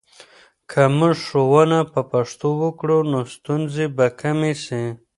که موږ ښوونه په پښتو وکړو، نو ستونزې به کمې سي.